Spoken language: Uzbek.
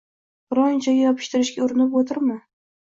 Biron joyga yopishtirishga urinib o’tirma.